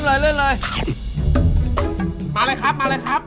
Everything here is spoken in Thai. มาเลยครับมาเลยครับ